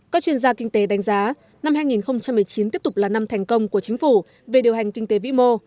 các chuyên gia kinh tế đánh giá năm hai nghìn một mươi chín tiếp tục là năm thành công của chính phủ về điều hành kinh tế vĩ mô